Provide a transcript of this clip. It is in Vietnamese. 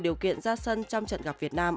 điều kiện giá sân trong trận gặp việt nam